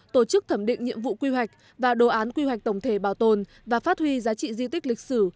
tổ chức thẩm định nhiệm vụ quy hoạch và đồ án quy hoạch tổng thể bảo tồn và phát huy giá trị di tích lịch sử